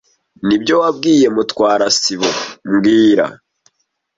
Nibyo wabwiye Mutwara sibo mbwira